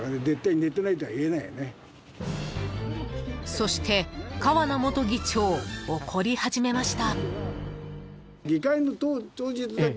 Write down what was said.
［そして川名元議長怒り始めました］